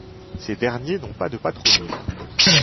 Ces derniers n'ont pas de patronyme.